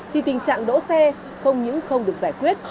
thì tình trạng đỗ xe không những không được giải quyết